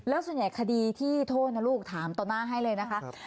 แล้วส่วนใหญ่คดีที่โทษนะลูกถามต่อหน้าให้เลยนะคะ